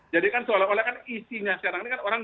jadi kan soal isinya sekarang ini kan orang